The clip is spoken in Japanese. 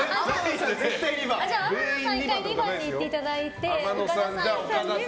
天野さん１回２番に行っていただいて。